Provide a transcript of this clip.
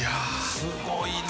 すごいな。